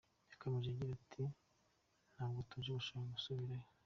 Yakomeje agira ati “Ntabwo tuje dushaka gusubirayo.